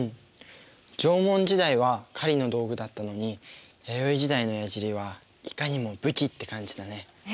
縄文時代は狩りの道具だったのに弥生時代のやじりはいかにも武器って感じだね。ね？